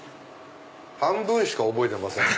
半分しか覚えてませんが。